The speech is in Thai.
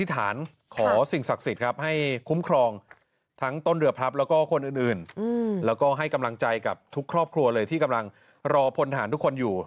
ที่กำลังรอผลอย่างทุกคนอยู่